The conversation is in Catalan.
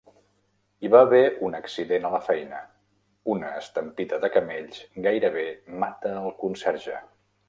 Hi va haver un accident a la feina: una estampida de camells gairebé mata el conserge.